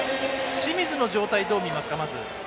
清水の状態はどう見ますか。